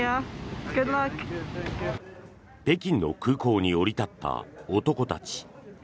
北京の空港に降り立った男たち。